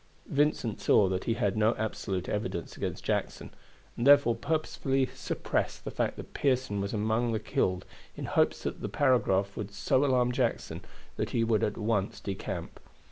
Vincent saw that he had no absolute evidence against Jackson, and therefore purposely suppressed the fact that Pearson was among the killed in hopes that the paragraph would so alarm Jackson that he would at once decamp.